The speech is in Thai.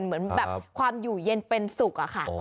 เหมือนแบบความอยู่เย็นเป็นสุขอะค่ะ